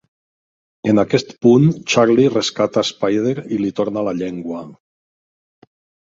En aquest punt, Charlie rescata Spider i li torna la llengua.